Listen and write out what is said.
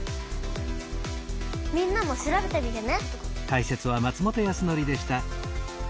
みんなも調べてみてね！